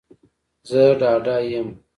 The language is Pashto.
زه ډاډه یم